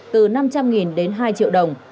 từ năm trăm linh đến hai triệu đồng